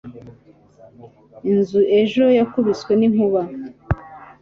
inzu ejo yakubiswe n'inkuba